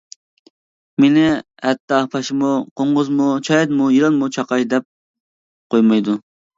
مېنى ھەتتا پاشىمۇ، قوڭغۇزمۇ، چايانمۇ، يىلانمۇ چاقاي دەپ قويمايدۇ.